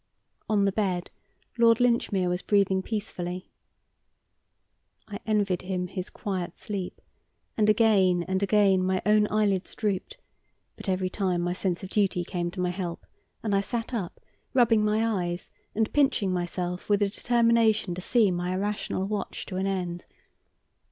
On the bed Lord Linchmere was breathing peacefully. I envied him his quiet sleep, and again and again my own eyelids drooped, but every time my sense of duty came to my help, and I sat up, rubbing my eyes and pinching myself with a determination to see my irrational watch to an end.